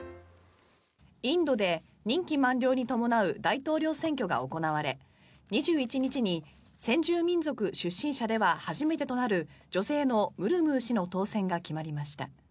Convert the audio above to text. インドで任期満了に伴う大統領選挙が行われ２１日に先住民族出身者では初めてとなる女性のムルムー氏の当選が決まりました。